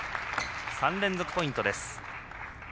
３連続ポイントです。